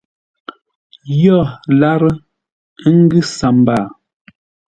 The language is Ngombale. Yo lárə́ ə́ ngʉ̌ sambaa.